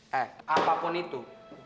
hei apapun itu